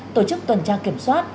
tổ chức tuần tra kiểm soát